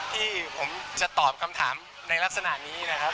ที่ผมจะตอบคำถามในลักษณะนี้นะครับ